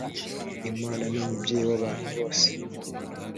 imana numubyeyi wabantu bose.